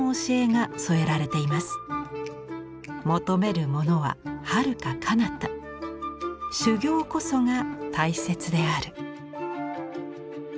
「求めるものは遥か彼方修行こそが大切である」。